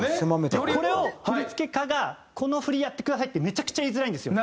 これを振付家が「この振りやってください」ってめちゃくちゃ言いづらいんですよ。